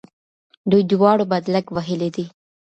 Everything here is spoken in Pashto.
دوی دواړو بدلک وهلی دی.